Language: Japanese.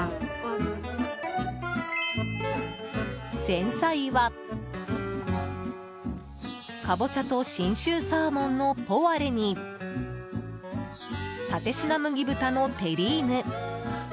前菜は南瓜と信州サーモンのポワレに蓼科麦豚のテリーヌ。